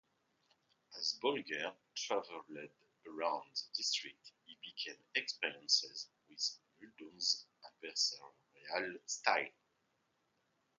As Bolger travelled around the district, he became experienced with Muldoon's adversarial style.